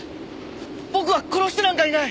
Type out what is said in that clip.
僕は殺してなんかいない。